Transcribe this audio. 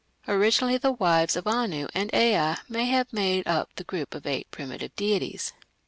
Originally the wives of Anu and Ea may have made up the group of eight primitive deities.